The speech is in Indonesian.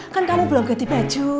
kan kamu belum ganti baju